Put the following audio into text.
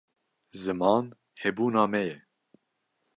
ziman hebûna me ye